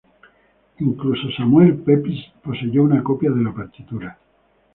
Incluso Samuel Pepys poseyó una copia de la partitura.